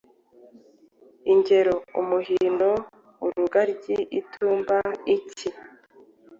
Ingero: Umuhindo, Urugaryi, Itumba, Iki.